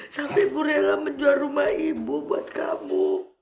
sampai bu rela menjual rumah ibu buat kamu